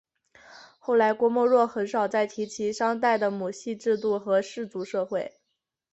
后来郭沫若很少再提及商代的母系制度和氏族社会。